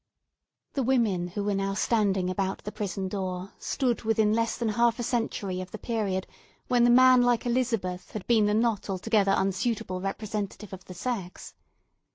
The women who were now standing about the prison door stood within less than half a century of the period when the man like Elizabeth had been the not altogether unsuitable representative of the sex.